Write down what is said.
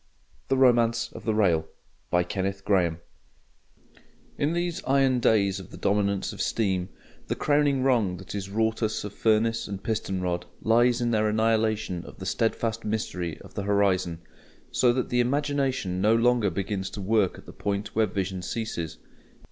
The Romance of the Rail In these iron days of the dominance of steam, the crowning wrong that is wrought us of furnace and piston rod lies in their annihilation of the steadfast mystery of the horizon, so that the imagination no longer begins to work at the point where vision ceases.